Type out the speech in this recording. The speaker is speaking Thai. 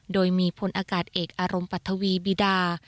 โดยมีพลอากาศเอกอารมณ์ปัทวีบิดา